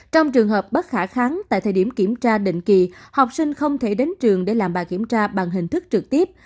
trong trường hợp bất khả kháng tại thời điểm kiểm tra định kỳ học sinh không thể đến trường để làm bài kiểm tra bằng hình thức trực tiếp